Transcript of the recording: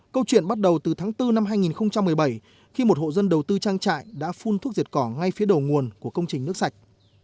câu chuyện bắt đầu từ tháng bốn năm hai nghìn một mươi bảy khi một hộ dân đầu tư trang trại đã phun thuốc diệt cỏ ngay phía đầu nguồn của công trình nước sạch